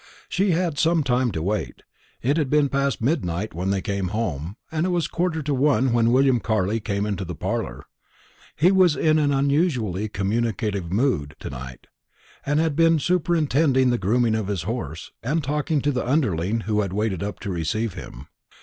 She had some time to wait. It had been past midnight when they came home, and it was a quarter to one when William Carley came into the parlour. He was in an unusually communicative mood to night, and had been superintending the grooming of his horse, and talking to the underling who had waited up to receive him.